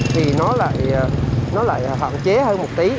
thì nó lại hoạn chế hơn một tí